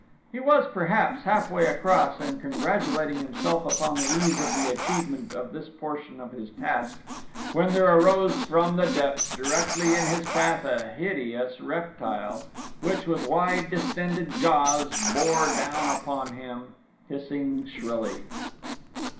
He was, perhaps, halfway across and congratulating himself upon the ease of the achievement of this portion of his task when there arose from the depths directly in his path a hideous reptile, which, with wide distended jaws, bore down upon him, hissing shrilly.